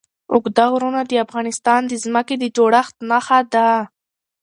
اوږده غرونه د افغانستان د ځمکې د جوړښت نښه ده.